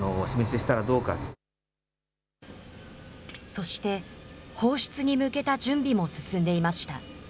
そして、放出に向けた準備も進んでいました。